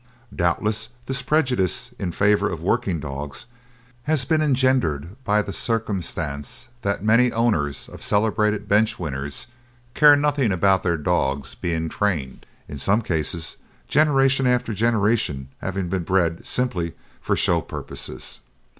Doubtless this prejudice in favour of working dogs has been engendered by the circumstance that many owners of celebrated bench winners care nothing about their dogs being trained, in some cases generation after generation having been bred simply for show purposes.